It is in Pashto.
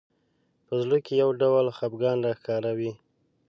په زړه کې یو ډول خفګان راښکاره وي